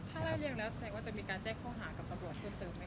ถ้าไล่เลี่ยงแล้วแสดงว่าจะมีการแจ้งข้อหากับตำรวจเพิ่มเติมไหมค